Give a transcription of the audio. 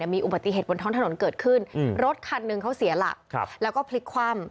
มีอุบัติเหตุบนท้องถนนเกิดขึ้นรถคันหนึ่งเขาเสียหลักแล้วก็พลิกคว่ำ